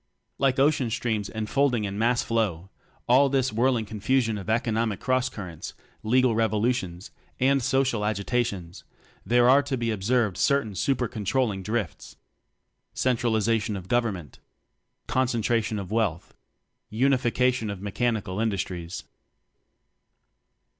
Like ocean streams enfolding in mass flow all this whirling confusion of economic cross currents, legal revo lutions, and social agitations, there are to be observed certain super control ling drifts. Centralization of Government. Concentration of Wealth. Unification of Mechanical Industries.